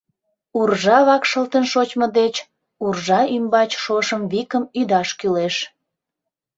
Уржа вакшылтын шочмо деч, уржа ӱмбач шошым викым ӱдаш кӱлеш.